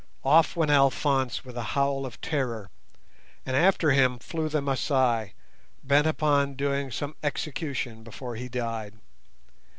Off went Alphonse with a howl of terror, and after him flew the Masai, bent upon doing some execution before he died.